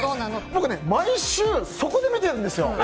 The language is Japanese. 僕ね、毎週そこで見てるんですよ。